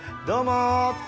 どうもー。